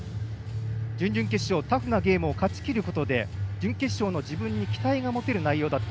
準々決勝、タフなゲームを勝ちきることで準決勝の自分に期待が持てる内容だった。